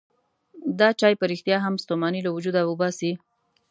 دا چای په رښتیا هم ستوماني له وجوده وباسي.